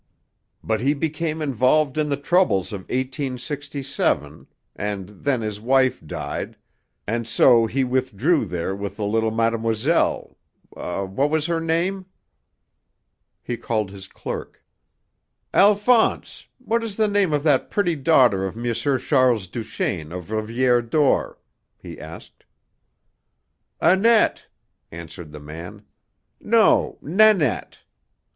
But he became involved in the troubles of 1867 and then his wife died, and so lie withdrew there with the little mademoiselle what was her name?" He called his clerk. "Alphonse, what is the name of that pretty daughter of M. Charles Duchaine, of Rivière d'Or?" he asked. "Annette," answered the man. "No, Nanette.